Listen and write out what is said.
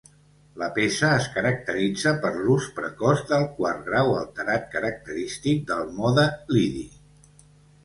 La peça es caracteritza per l'ús precoç del quart grau alterat característic del mode lidi.